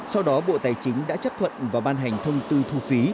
sau đó bộ tài chính đã chấp thuận và ban hành thông tư thu phí